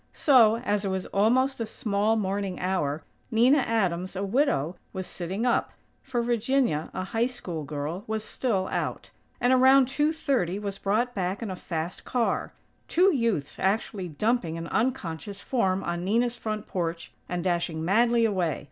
So, as it was almost "a small morning hour," Nina Adams, a widow, was sitting up; for Virginia, a High School girl, was still out; and, around two thirty, was brought back in a fast car; two youths actually dumping an unconscious form on Nina's front porch, and dashing madly away.